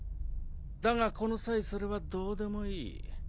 だがこの際それはどうでもいい。